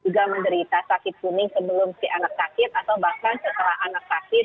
juga menderita sakit kuning sebelum si anak sakit atau bahkan setelah anak sakit